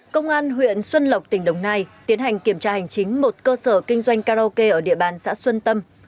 công an huyện xuân lộc tỉnh đồng nai tiến hành kiểm tra hành chính một cơ sở kinh doanh karaoke ở địa bàn xã xuân tâm